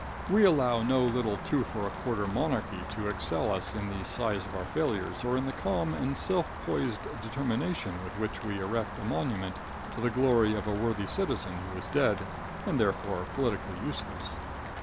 We allow no little two for a quarter monarchy to excel us in the size of our failures or in the calm and self poised deliberation with which we erect a monument to the glory of a worthy citizen who is dead, and therefore politically useless.